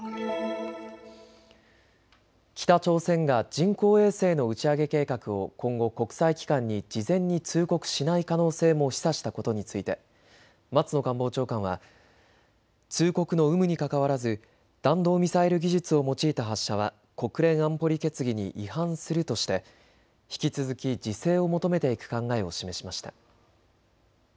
北朝鮮が人工衛星の打ち上げ計画を今後、国際機関に事前に通告しない可能性も示唆したことについて松野官房長官は通告の有無にかかわらず弾道ミサイル技術を用いた発射は国連安保理決議に違反するとして引き続き自制を求めていく考えを示しました。